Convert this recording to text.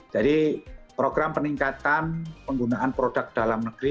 jadi program peningkatan penggunaan produk dalam negeri